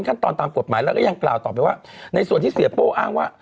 ขั้นตอนตามกฎหมายแล้วก็ยังกล่าวต่อไปว่าในส่วนที่เสียโป้อ้างว่า